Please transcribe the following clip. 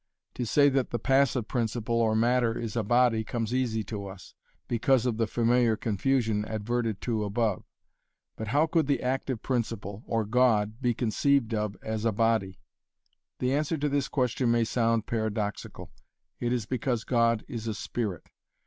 To say that the passive principle, or matter, is a body comes easy to us, because of the familiar confusion adverted to above. But how could the active principle, or God, be conceived of as a body? The answer to this question may sound paradoxical. It is because God is a spirit.